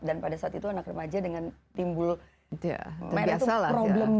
dan pada saat itu anak remaja dengan timbul merah itu problem banget gitu loh